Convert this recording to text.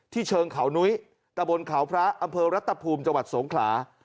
เชิงเขานุ้ยตะบนเขาพระอำเภอรัตภูมิจังหวัดสงขลา